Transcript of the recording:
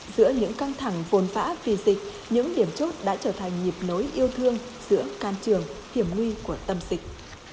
giữa những căng thẳng vôn vã vì dịch những điểm chốt đã trở thành nhịp lối yêu thương giữa can trường hiểm nguy của tâm dịch